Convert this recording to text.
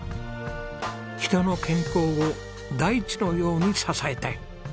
「人の健康を大地のように支えたい」。